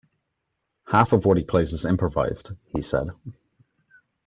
Half of what he plays is improvised, he said.